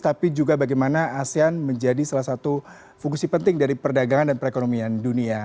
tapi juga bagaimana asean menjadi salah satu fungsi penting dari perdagangan dan perekonomian dunia